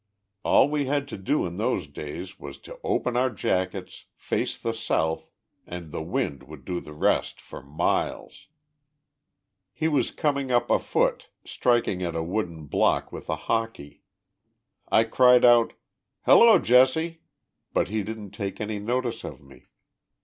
All we had to do in those days was to open our jackets, face the south, and the wind would do the rest for miles. He was coming up afoot, striking at a wooden block with a hockey.' I cried out 'Hello, Jesse!' but he didn't take any notice of me.